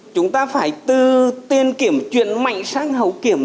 chúng ta phải từ tiên kiểm chuyển mạnh sang hầu kiểm